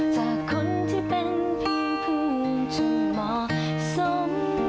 จากคนที่เป็นเพียงผู้ที่เหมาะสม